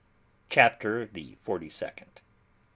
CHAPTER THE FORTY SECOND.